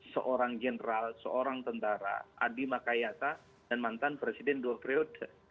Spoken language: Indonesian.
perang general seorang tentara adi makayasa dan mantan presiden duh priyota